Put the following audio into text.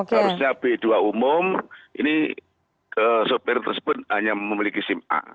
harusnya b dua umum ini sopir tersebut hanya memiliki sim a